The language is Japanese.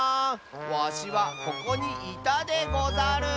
わしはここにいたでござる。